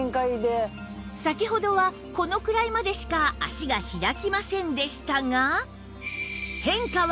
先ほどはこのくらいまでしか脚が開きませんでしたが